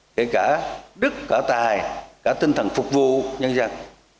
kể cả đức cả tài cả tinh thần phục vụ nhân dân